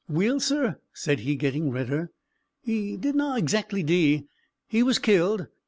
"Weel, sir," said he, getting redder, "he didna exactly dee; he was killed.